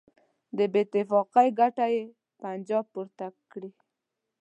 د بېاتفاقۍ ګټه یې پنجاب پورته کړي.